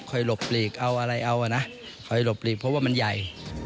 หลบหลีกเอาอะไรเอาอ่ะนะคอยหลบหลีกเพราะว่ามันใหญ่